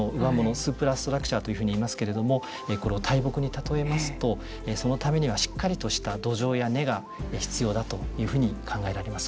スープラ・ストラクチャーというふうにいいますけれどもこの大木に例えますとそのためには、しっかりとした土壌や根が必要だというふうに考えられます。